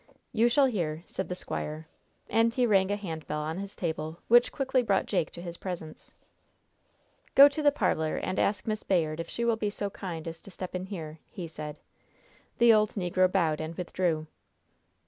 "You shall hear," said the squire, and he rang a hand bell on his table, which quickly brought Jake to his presence. "Go to the parlor and ask Miss Bayard if she will be so kind as to step in here," he said. The old negro bowed and withdrew.